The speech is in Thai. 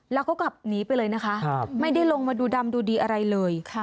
แล้วก็ขับหนีไปเลยนะคะไม่ได้ลงมาดูดำดูดีอะไรเลย